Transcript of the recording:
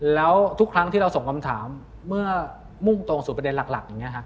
แล้วทุกครั้งที่เราส่งคำถามเมื่อมุ่งตรงสู่ประเด็นหลักอย่างนี้ครับ